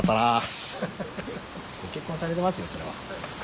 ご結婚されてますよそれは。